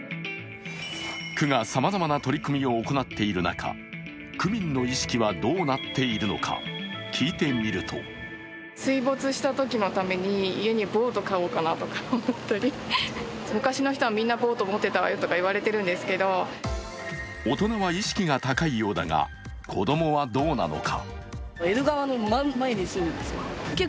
区がさまざまな取り組みを行っている中区民の意識はどうなっているのか聞いてみると大人は意識が高いようだが子供はどうなのか。